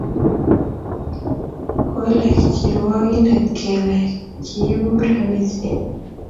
kole kirwngindet kebe kiibu rabisiek